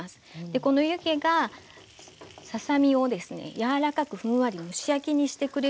この湯気がささ身をですねやわらかくふんわり蒸し焼きにしてくれるので。